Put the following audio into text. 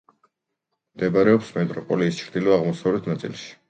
მდებარეობს მეტროპოლიის ჩრდილო-აღმოსავლეთ ნაწილში.